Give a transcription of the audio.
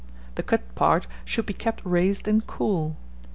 The cut part should be kept raised and cool.